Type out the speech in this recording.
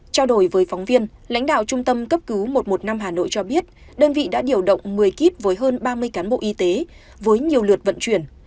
trao đổi với phóng viên lãnh đạo trung tâm cấp cứu một trăm một mươi năm hà nội cho biết đơn vị đã điều động một mươi kíp với hơn ba mươi cán bộ y tế với nhiều lượt vận chuyển